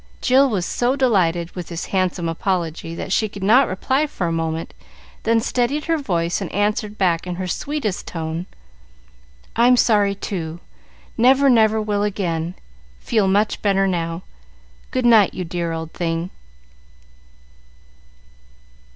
Jill was so delighted with this handsome apology, that she could not reply for a moment, then steadied her voice, and answered back in her sweetest tone, "I'm sorry, too. Never, never, will again. Feel much better now. Good night, you dear old thing."